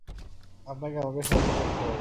আপনাকে আমাকে সাহায্য করতেই হবে!